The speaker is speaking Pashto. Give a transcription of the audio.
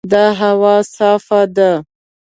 دا هوا صافه ده.